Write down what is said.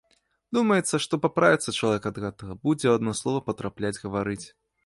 Думаецца, што паправіцца чалавек ад гэтага, будзе ў адно слова патрапляць гаварыць.